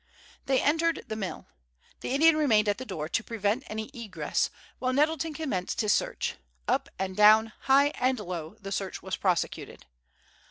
They entered the mill. The Indian remained at the door to prevent any egress, while Nettleton commenced his search. Up and down, high and low, the search was prosecuted.